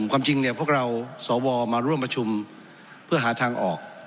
ความจริงเนี่ยพวกเราสวมาร่วมประชุมเพื่อหาทางออก